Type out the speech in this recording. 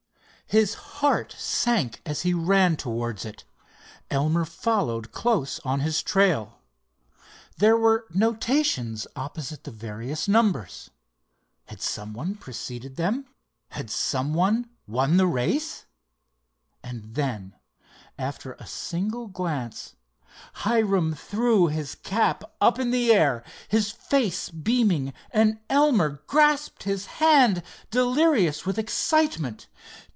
His heart sank as he ran towards it. Elmer followed close on his trail. There were notations opposite the various numbers. Had someone preceded them—had someone won the race? And then, after a single glance, Hiram threw his cap up in the air, his face beaming, and Elmer grasped his hand, delirious with excitement.